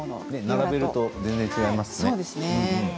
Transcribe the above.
並べると全然違いますね。